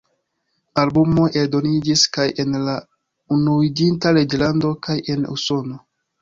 Albumoj eldoniĝis kaj en la Unuiĝinta Reĝlando kaj en Usono.